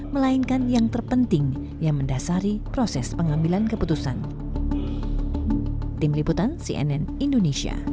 melainkan yang terpenting yang mendasari proses pengambilan keputusan